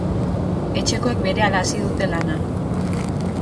Etxekoek berehala hasi dute lana.